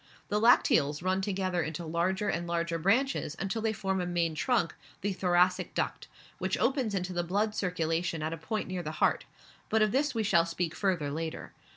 The lacteals run together into larger and larger branches until they form a main trunk, the thoracic duct, which opens into the blood circulation at a point near the heart; but of this we shall speak further later.